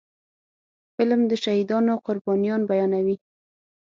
فلم د شهیدانو قربانيان بیانوي